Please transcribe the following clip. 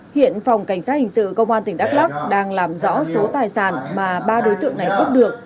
hiện phòng cảnh sát hình sự công an tỉnh đắk lắc đang làm rõ số tài sản mà ba đối tượng này cướp được